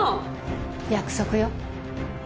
約束よ。